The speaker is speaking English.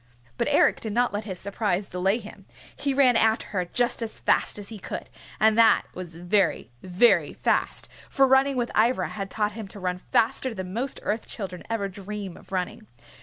But Eric did not let his surprise delay him. He ran after her just as fast as he could, and that was very, very fast, for running with Ivra had taught him to run faster than most Earth Children ever dream of running.